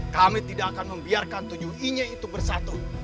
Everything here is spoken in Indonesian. kami tidak akan membiarkan tujuh i nya itu bersatu